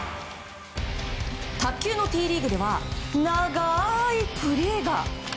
卓球のＴリーグでは長いプレーが！